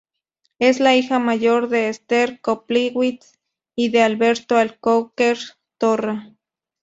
Es la hija mayor de Esther Koplowitz y de Alberto Alcocer Torra.